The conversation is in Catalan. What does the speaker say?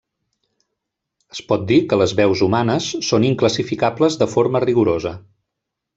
Es pot dir que les veus humanes són inclassificables de forma rigorosa.